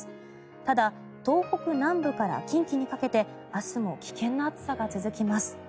ただ東北南部から近畿にかけて明日も危険な暑さが続きます。